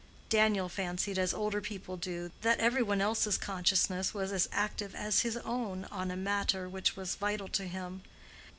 Daniel fancied, as older people do, that every one else's consciousness was as active as his own on a matter which was vital to him.